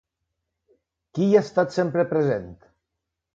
Qui hi ha estat sempre present?